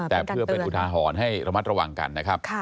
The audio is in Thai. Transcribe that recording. แต่เพื่อเป็นอุทาหรณ์ให้ระมัดระวังกันนะครับ